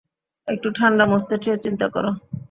একটু ঠাণ্ডা মস্তিষ্কে চিন্তা কর।